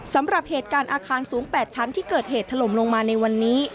สำหรับเหตุการณ์อาคารสูง๘ชั้นที่เกิดเหตุถล่มลงมาในวันนี้